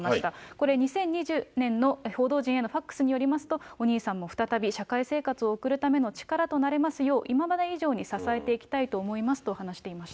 これ、２０２０年の報道陣へのファックスによりますと、お兄さんも再び社会生活を送るための力となれますよう、今まで以上に支えていきたいと思いますと話していました。